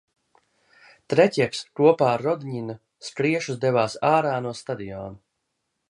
Tretjaks kopā ar Rodņinu skriešus devās ārā no stadiona.